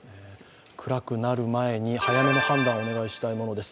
暗くなる前に早めの判断をお願いしたいものです。